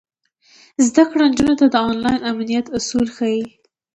زده کړه نجونو ته د انلاین امنیت اصول ښيي.